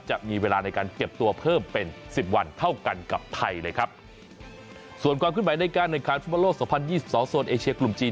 จะมีเวลาในการเก็บตัวเพิ่มเป็นสิบวันเท่ากันกับไทยเลยครับส่วนความขึ้นไหวในการแข่งขันฟุตบอลโลกสองพันยี่สิบสองโซนเอเชียกลุ่มจีน